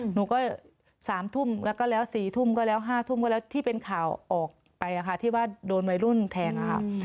หนูก็๓ทุ่มแล้วก็แล้ว๔ทุ่มก็แล้ว๕ทุ่มก็แล้วที่เป็นข่าวออกไปที่ว่าโดนวัยรุ่นแทงค่ะ